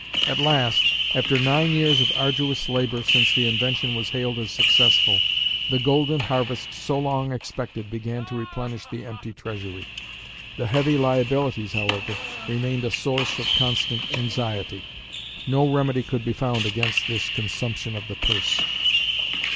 At last, after nine years of arduous labor since the invention was hailed as successful, the golden harvest so long expected began to replenish the empty treasury. The heavy liabilities, however, remained a source of constant anxiety. No remedy could be found against "this consumption of the purse."